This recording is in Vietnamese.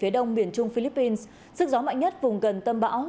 phía đông miền trung philippines sức gió mạnh nhất vùng gần tâm bão